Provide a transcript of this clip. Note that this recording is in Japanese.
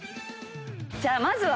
じゃあまずは。